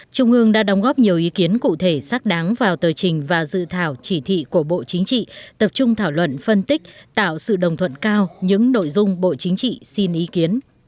trung ương đã đóng góp nhiều ý kiến cụ thể xác đáng vào tờ trình và dự thảo chỉ thị của bộ chính trị tập trung thảo luận phân tích tạo sự đồng thuận cao những nội dung bộ chính trị xin ý kiến